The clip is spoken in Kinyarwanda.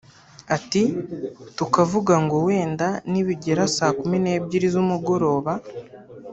Ati “Tukavuga ngo wenda nibigera saa kumi n’ebyiri z’umugoroba